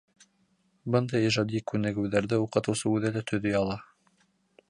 Бындай ижади күнегеүҙәрҙе уҡытыусы үҙе лә төҙөй ала.